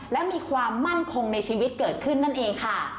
และมีความมั่นคงในชีวิตเกิดขึ้นนั่นเองค่ะ